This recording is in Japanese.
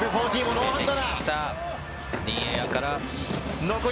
ノーハンド！